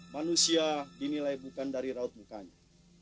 manusia dinilai bukan dari raut mukanya